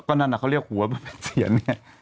ก่อนนั้นน่ะเขาเรียกเหาะก็บอกว่าเสียท